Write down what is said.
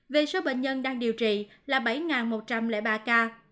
về số bệnh nhân đang điều trị là bảy một trăm linh ba ca